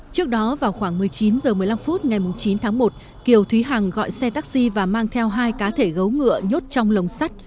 trước đó vào khoảng một mươi chín h một mươi năm phút ngày chín tháng một kiều thúy hằng gọi xe taxi và mang theo hai cá thể gấu ngựa nhốt trong lồng sắt